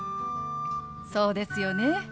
そうですよね。